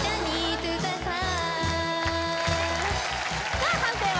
さあ判定は？